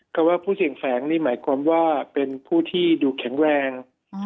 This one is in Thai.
คำว่าผู้เสี่ยงแฝงนี่หมายความว่าเป็นผู้ที่ดูแข็งแรง